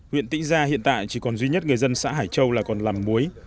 huyện tỉnh ra hiện tại chỉ còn duy nhất người dân xã hải châu là còn làm muối